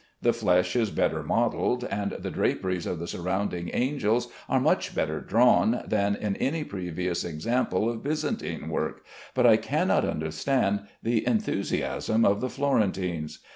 The flesh is better modelled, and the draperies of the surrounding angels are much better drawn, than in any previous example of Byzantine work, but I cannot understand the enthusiasm of the Florentines.